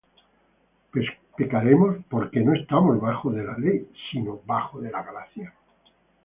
¿Pecaremos, porque no estamos bajo de la ley, sino bajo de la gracia?